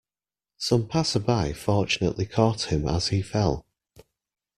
Some passersby fortunately caught him as he fell.